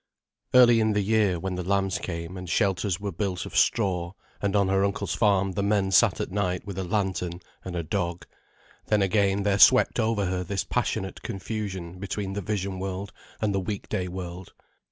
Early in the year, when the lambs came, and shelters were built of straw, and on her uncle's farm the men sat at night with a lantern and a dog, then again there swept over her this passionate confusion between the vision world and the weekday world.